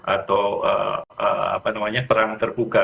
atau apa namanya perang terbuka